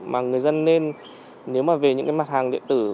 mà người dân nên nếu mà về những cái mặt hàng điện tử